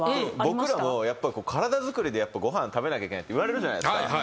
僕らも体づくりでご飯食べなきゃいけないって言われるじゃないですか。